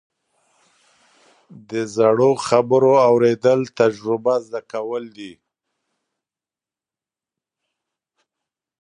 د زړو خبرو اورېدل، تجربه زده کول دي.